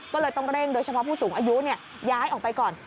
ก็เลยต้องเร่งโดยเฉพาะผู้สูงอายุย้ายออกไปก่อน